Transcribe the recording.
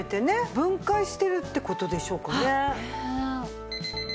分解してるって事でしょうかね？